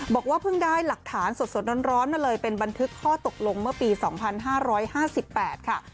บอกว่าเพิ่งได้หลักฐานสดร้อนมาเลยเป็นบันทึกข้อตกลงเมื่อปี๒๕๕๘ค่ะ